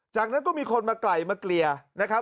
จากนั้นก็มีคนมาไกลมาเกลี่ยนะครับ